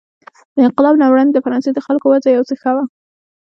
د انقلاب نه وړاندې د فرانسې د خلکو وضع یو څه ښه وه.